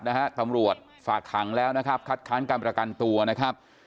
นะฮะตำรวจฝากขังแล้วนะครับคัดค้านการประกันตัวนะครับ